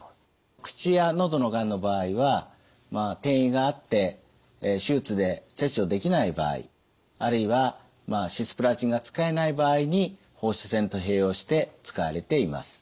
口や喉のがんの場合は転移があって手術で切除できない場合あるいはシスプラチンが使えない場合に放射線と併用して使われています。